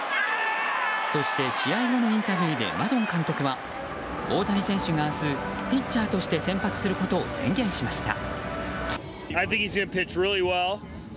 そして、試合後のインタビューでマドン監督は大谷選手が明日ピッチャーとして先発することを宣言しました。